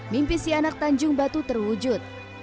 mimpi si anak tanjung batu terwujud